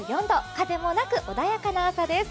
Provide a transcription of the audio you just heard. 風もなく穏やかな朝です。